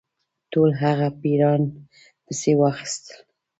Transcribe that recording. ټول هغه پیران پسي واخیستل.